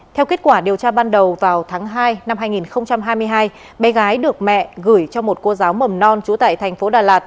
theo kết quả điều tra ban đầu vào tháng hai năm hai nghìn hai mươi hai bé gái được mẹ gửi cho một cô giáo mầm non trú tại thành phố đà lạt